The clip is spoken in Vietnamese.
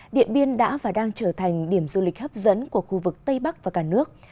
điện biên đã và đang trở thành điểm du lịch hấp dẫn của khu vực tây bắc và cả nước